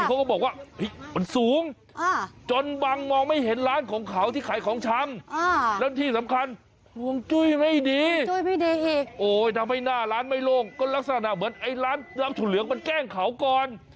ก็ลักษณะเหมือนไอ้ร้านน้ำถั่วเหลืองมันแกล้งเขาก่อน